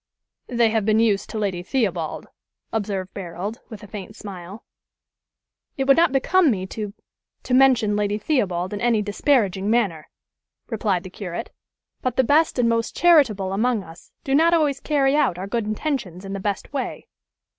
"They have been used to Lady Theobald," observed Barold, with a faint smile. "It would not become me to to mention Lady Theobald in any disparaging manner," replied the curate: "but the best and most charitable among us do not always carry out our good intentions in the best way.